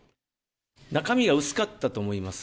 中身が薄かったと思います。